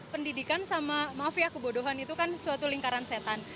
pendidikan sama mafia kebodohan itu kan suatu lingkaran setan